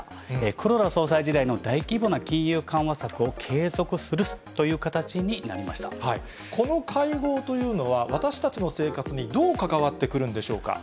黒田総裁時代の大規模な金融緩和策を継続するという形になりましこの会合というのは、私たちの生活にどう関わってくるんでしょうか。